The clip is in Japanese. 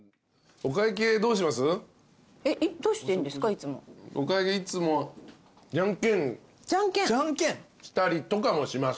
お会計いつもじゃんけんしたりとかもします。